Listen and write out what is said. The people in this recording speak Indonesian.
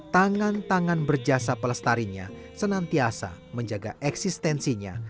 tangan tangan berjasa pelestarinya senantiasa menjaga eksistensinya